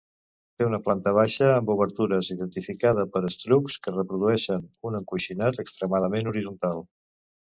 Té una planta baixa amb obertures identificada pels estucs que reprodueixen un encoixinat extremadament horitzontal.